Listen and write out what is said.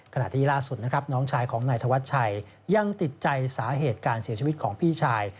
ขณะที่ล่าสุดนะครับน้องชายของนายธวัชชัยยังติดใจสาเหตุการเสียชีวิตของพี่ชาย